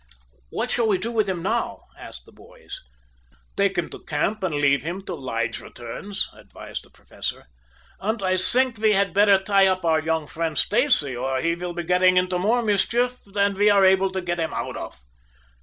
"What shall we do with him now?" asked the boys. "Take him to camp and leave him till Lige returns," advised the Professor. "And I think we had better tie up our young friend Stacy, or he will be getting into more mischief than we are able to get him out of."